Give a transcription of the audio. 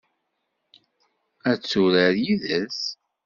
Ad turar yid-s?